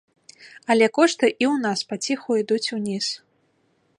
Але кошты і ў нас паціху ідуць уніз.